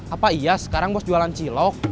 apa iya sekarang bos jualan cilok